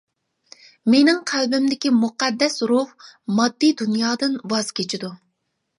مېنىڭ قەلبىمدىكى مۇقەددەس روھ ماددىي دۇنيادىن ۋاز كېچىدۇ.